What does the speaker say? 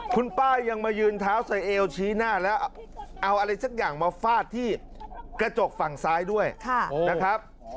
คุณป้ายังมายืนเท้าใส่เอวชี้หน้าแล้วเอาอะไรสักอย่างมาฟาดที่กระจกฝั่งซ้ายด้วยนะครับ